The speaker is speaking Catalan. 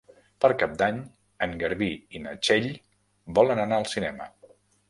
Per Cap d'Any en Garbí i na Txell volen anar al cinema.